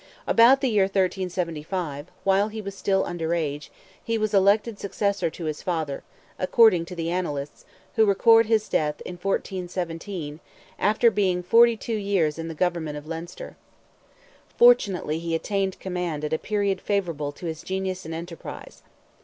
About the year 1375—while he was still under age—he was elected successor to his father, according to the Annalists, who record his death in 1417, "after being forty two years in the government of Leinster." Fortunately he attained command at a period favourable to his genius and enterprise.